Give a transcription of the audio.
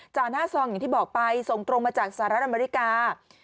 หน้าซองอย่างที่บอกไปส่งตรงมาจากสหรัฐอเมริกา